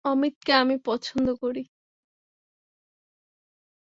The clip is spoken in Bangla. অমিতকে আমি পছন্দ করি।